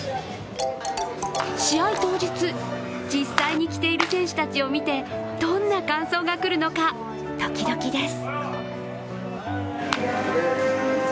試合当日、実際に来ている選手たちを見てどんな感想が来るのか、ドキドキです。